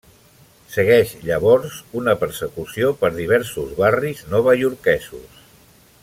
Segueix llavors una persecució per diversos barris novaiorquesos.